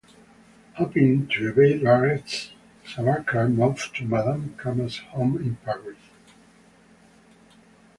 Hoping to evade arrest, Savarkar moved to Madame Cama's home in Paris.